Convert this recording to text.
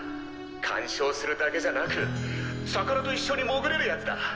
鑑賞するだけじゃなく魚と一緒に潜れるやつだ。